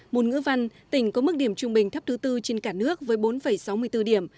môn ngữ văn tỉnh có mức điểm trung bình thấp thứ bốn trên cả nước với bốn sáu mươi bốn điểm